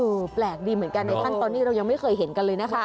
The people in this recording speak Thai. แปลกดีเหมือนกันในขั้นตอนนี้เรายังไม่เคยเห็นกันเลยนะคะ